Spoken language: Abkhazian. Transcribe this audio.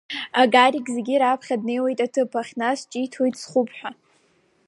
Гарик зегь раԥхьа днеиуеит аҭыԥахь, нас ҿиҭуеит схәуп ҳәа.